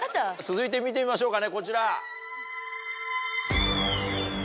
続いて見てみましょうかねこちら。